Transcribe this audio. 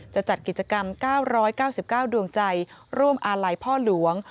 จัดกิจกรรม๙๙๙ดวงใจร่วมอาลัยพ่อหลวง